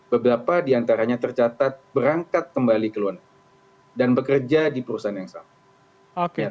beberapa diantaranya tercatat berangkat kembali ke luar negeri dan bekerja di perusahaan yang sama